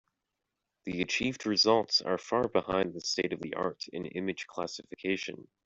The achieved results are far behind the state-of-the-art in image classification.